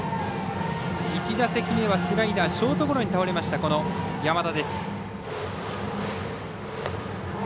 １打席目はスライダーショートゴロに倒れた山田。